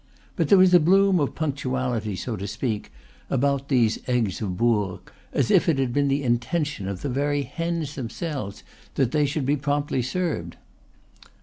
But there was a bloom of punctuality, so to speak, about these eggs of Bourg, as if it had been the in tention of the very hens themselves that they should be promptly served.